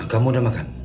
kamu udah makan